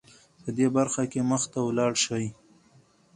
په دې برخه کې مخته ولاړه شې .